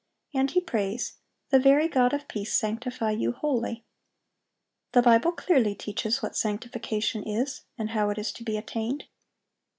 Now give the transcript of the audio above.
And he prays, "The very God of peace sanctify you wholly."(794) The Bible clearly teaches what sanctification is, and how it is to be attained.